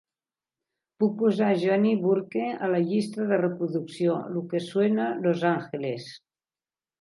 Puc posar a johnny burke a la llista de reproducció "lo que suena los angeles"?